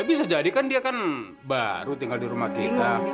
bisa jadi kan dia kan baru tinggal di rumah kita